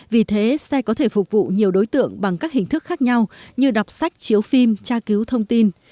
vì thế xe có thể phục vụ nhiều đối tượng bằng các hình thức khác nhau như đọc sách chiếu phim tra cứu thông tin